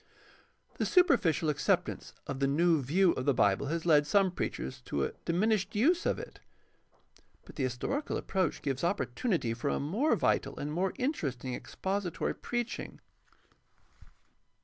— The superficial acceptance of the new view of the Bible has led some preachers to a diminished use of it. But the his torical approach gives opportunity for a more vital and more interesting expository preaching.